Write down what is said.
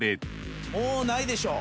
もうないでしょ。